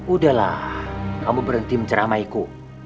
udahlah kamu berhenti mencerah maiku